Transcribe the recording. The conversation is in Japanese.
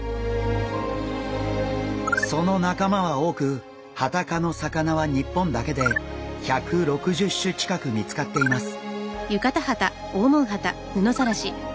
その仲間は多くハタ科の魚は日本だけで１６０種近く見つかっています。